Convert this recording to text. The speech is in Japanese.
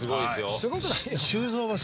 すごくないよ。